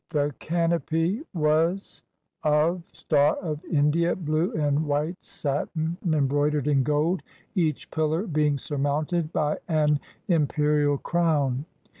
The canopy was of Star of India blue and white satin embroidered in gold, each pillar being surmounted by an imperial crown.